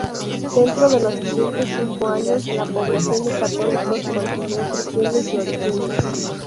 Dentro de los siguientes cinco años, la población de católicos continuó creciendo y floreciendo.